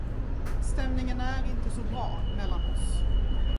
Stämningen är inte så bra mellan oss.